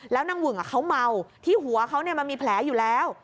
แล้วนางหึ่งเขาเมาที่หัวเขามันมีแผลอยู่แล้ว